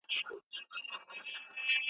احتجاج ته مي راغوښتي{یاره} مړې ډېوې په جبر